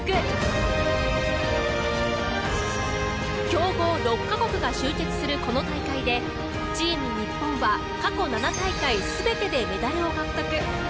強豪６カ国が集結するこの大会でチーム日本は過去７大会全てでメダルを獲得。